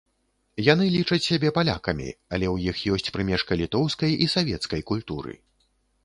Яны лічаць сябе палякамі, але ў іх ёсць прымешка літоўскай і савецкай культуры.